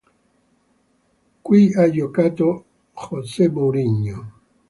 Qui ha giocato José Mourinho.